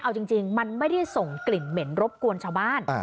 เอาจริงมันไม่ได้ส่งกลิ่นเหม็นรบกวนชาวบ้าน